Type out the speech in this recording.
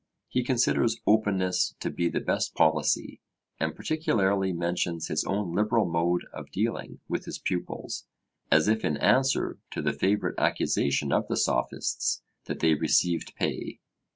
He considers openness to be the best policy, and particularly mentions his own liberal mode of dealing with his pupils, as if in answer to the favourite accusation of the Sophists that they received pay.